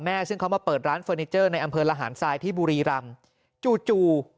แม่เพื่อเปิดร้านเฟอร์นิเจอในอำเภาละหามไซที่บุรีรำจู่